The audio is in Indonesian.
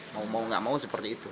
mau mau gak mau seperti itu